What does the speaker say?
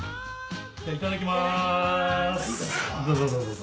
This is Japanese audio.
じゃあいただきます。